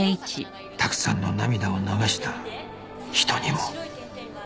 たくさんの涙を流した人にも